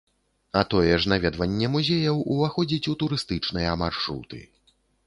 А тое ж наведванне музеяў уваходзіць у турыстычныя маршруты.